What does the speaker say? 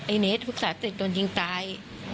ไอ้เนสภึกษาเสร็จต้นยิงตาย